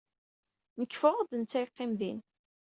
Nekk ffɣeɣ-d, netta yeqqim din.